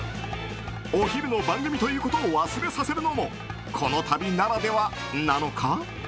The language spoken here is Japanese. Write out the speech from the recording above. お昼の番組ということを忘れさせるのもこの旅ならではなのか。